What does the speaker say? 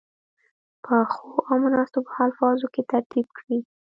په ښو او مناسبو الفاظو کې ترتیب کړي.